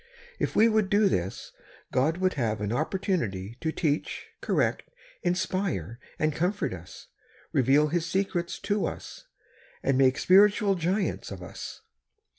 If we would do this, God would have an opportunity to teach, correct, inspire, and comfort us, reveal His secrets to us, and make spiritual giants of us.